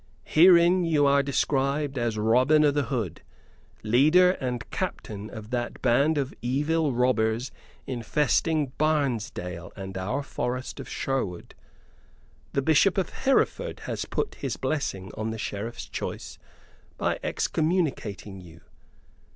Herein you are described as Robin o' th' Hood, leader and captain of that band of evil robbers infesting Barnesdale and our forest of Sherwood! The Bishop of Hereford has put his blessing on the Sheriff's choice by excommunicating you.